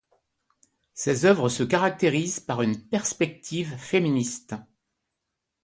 Ses œuvres se caractérisent par une perspective féministe.